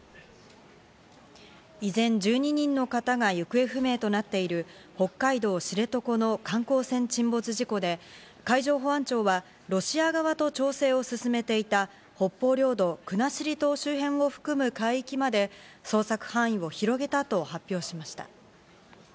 依然１２人の方が行方不明となっている北海道知床の観光船沈没事故で海上保安庁はロシア側と調整を進めていた北方領土・国後島周辺を含む海域まで捜索範囲を広げたと発表しました。